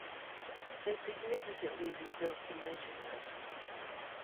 They significantly rebuilt the mansion house.